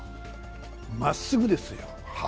まっすぐですよ。